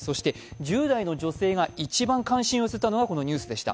１０代の女性が一番関心を寄せたのがこのニュースでした。